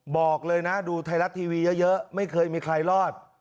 บอกเลยนะดูไทยรัฐทีวีเยอะไม่เคยมีใครรอด